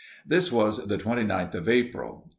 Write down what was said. This was the twenty ninth of April.